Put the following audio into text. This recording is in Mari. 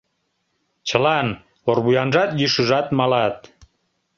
Чылан — орвуянжат, йӱшыжат — малат.